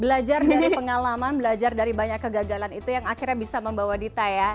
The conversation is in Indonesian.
belajar dari pengalaman belajar dari banyak kegagalan itu yang akhirnya bisa membawa dita ya